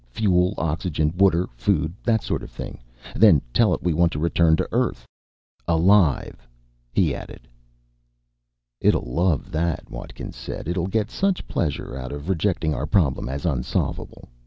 "Fuel, oxygen, water, food that sort of thing. Then tell it we want to return to Earth. Alive," he added. "It'll love that," Watkins said. "It'll get such pleasure out of rejecting our problem as unsolvable.